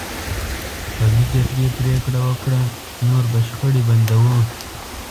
قومي جرګې پرېکړه وکړه: نور به شخړې بندوو.